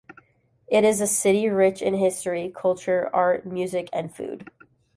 It is a city rich in history, culture, art, music and food.